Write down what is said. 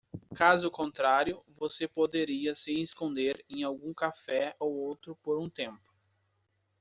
Caso contrário, você poderia se esconder em algum café ou outro por um tempo.